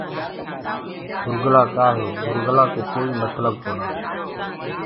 گُرگلآ ڪآ هي گُرگلآ ڪو ڪوئيٚ متلب ڪونآ۔